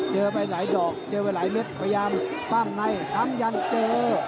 ไปหลายดอกเจอไปหลายเม็ดพยายามปั้มในค้ำยันเจอ